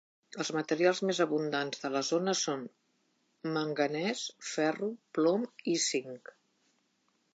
Els materials més abundants de la zona són manganès, ferro, plom i cinc.